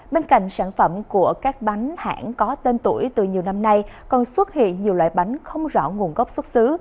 bên cạnh sản phẩm của các bánh hãng có tên tuổi từ nhiều năm nay còn xuất hiện nhiều loại bánh không rõ nguồn gốc xuất xứ